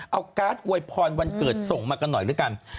เอาการ์ดอวยพรวันเกิดส่งมากันหน่อยแล้วกัน